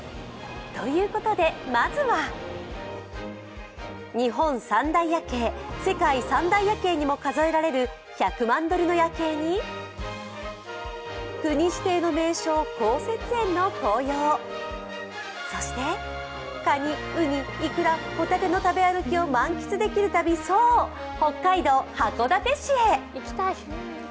ということで、まずは日本三大夜景、世界三大夜景にも数えられる１００万ドルの夜景に国指定の名勝、香雪園の紅葉、そしてかに、うに、イクラ、ホタテの食べ歩きを満喫できる旅、そう、北海道函館市へ。